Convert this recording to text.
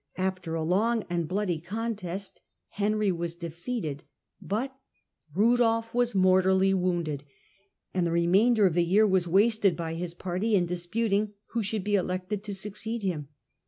After a long Battle on ^^^ bloody coutest Henry was defeated, but ^Sof Rudolf was mortally wounded, and the re Bndoif, 1080 maindcr of the year was wasted by his party in disputing who should be elected to succeed him.